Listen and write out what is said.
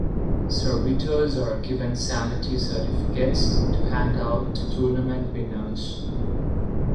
Servitors are given Sanity Certificates to hand out to tournament winners.